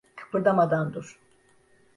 Kıpırdamadan dur.